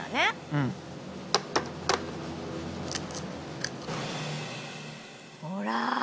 うん。ほら！